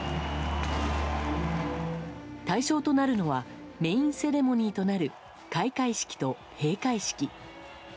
対象となるのはメインセレモニーとなる開会式と閉会式。